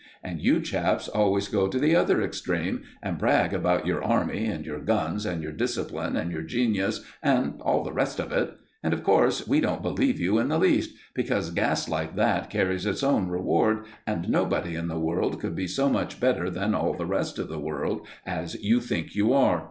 And you chaps always go to the other extreme and brag about your army, and your guns, and your discipline, and your genius, and all the rest of it; and, of course, we don't believe you in the least, because gas like that carries its own reward, and nobody in the world could be so much better than all the rest of the world as you think you are.